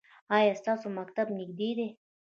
ایا ستاسو مکتب نږدې دی؟